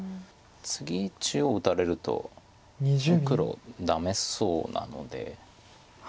次中央打たれるともう黒ダメそうなので。